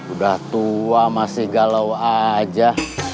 udah tua masih galau aja